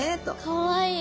かわいい！